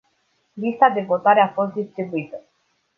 Lista de votare a fost distribuită.